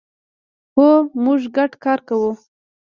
هو، موږ ګډ کار کوو